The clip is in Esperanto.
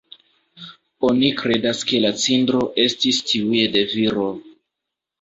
Oni kredas ke la cindro estis tiuj de viro.